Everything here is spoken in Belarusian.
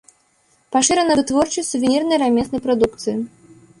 Пашырана вытворчасць сувенірнай рамеснай прадукцыі.